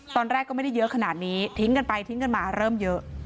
ตอนแรกก็ไม่ได้เยอะขนาดนี้ทิ้งกันไปทิ้งกันมาเริ่มเยอะ